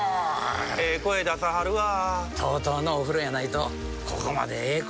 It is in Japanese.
声出さはるわＴＯＴＯのお風呂やないとここまでええ